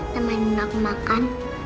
temanin aku makan